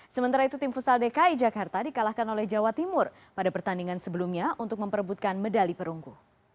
sementara itu tim futsal dki jakarta dikalahkan oleh jawa timur pada pertandingan sebelumnya untuk memperebutkan medali perunggu